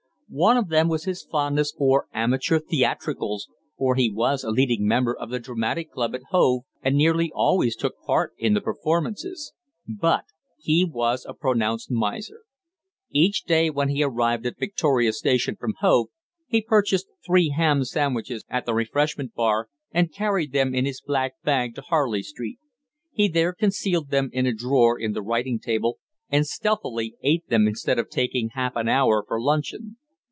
One of them was his fondness for amateur theatricals, for he was a leading member of the Dramatic Club at Hove and nearly always took part in the performances. But he was a pronounced miser. Each day when he arrived at Victoria Station from Hove, he purchased three ham sandwiches at the refreshment bar and carried them in his black bag to Harley Street. He there concealed them in a drawer in the writing table and stealthily ate them instead of taking half an hour for luncheon.